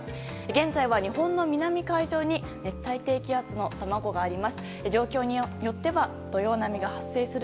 現在は日本の南海上に熱帯低気圧の卵があります。